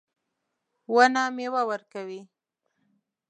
ونه میوه ورکوي